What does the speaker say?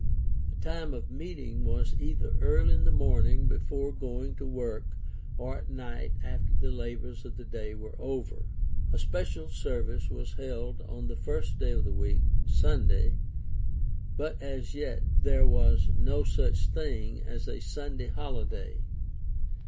The time of meeting was either early in the morning before going to work or at night after the labors of the day were over. A special service was held on the first day of the week (Sunday)., but as yet there was no such thing as a Sunday holiday.